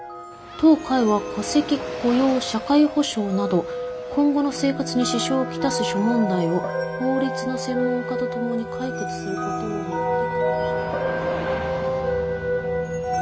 当会は戸籍雇用社会保障など今後の生活に支障を来す諸問題を法律の専門家と共に解決することを目的として」。